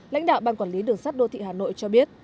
lãnh đạo ban quản lý đường sắt đô thị hà nội cho biết